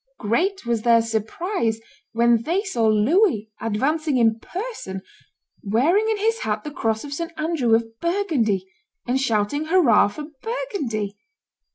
Great was their surprise when they saw Louis advancing in person, wearing in his hat the cross of St. Andrew of Burgundy, and shouting, "Hurrah for Burgundy!"